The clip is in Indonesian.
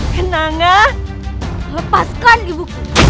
kenangah lepaskan ibu